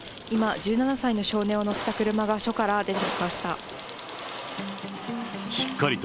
今、１７歳の少年を乗せた車が署から出てきました。